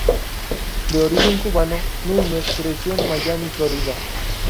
De origen cubano, Núñez creció en Miami, Florida.